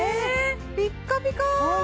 ピッカピカえ